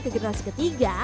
ke generasi ketiga